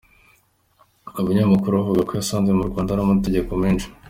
Uyu munyamakuru avuga ko yasanze mu Rwanda hari amategeko menshi.